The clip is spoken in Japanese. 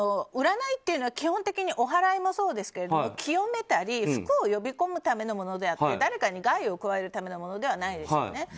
占いというのは基本的にお払いもそうですけども清めたり、福を呼び込むためのものであって誰かに害を加えるためのものではないですよね。